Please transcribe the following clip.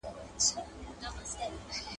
د جرګي غړو به د هیواد د سمون لپاره مبارزه کوله.